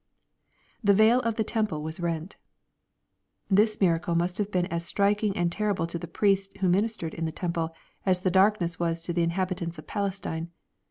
[The veil of the temple was rent.] This miracle must have been as striking and terrible to the priests who ministered in the tem ple, as the darkness was to the inhabitants of Palestine.